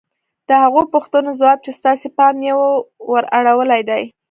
د هغو پوښتنو ځواب چې ستاسې پام يې ور اړولی دی.